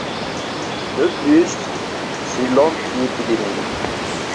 De plus, c'est l'homme qui est éliminé.